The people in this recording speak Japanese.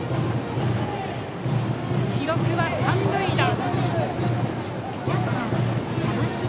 記録は三塁打。